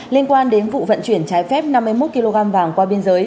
liên quan đến vụ vận chuyển trái phép năm mươi một kg vàng qua biên giới